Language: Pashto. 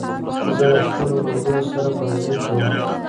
زه له خپلو ملګرو سره بازۍ کوم.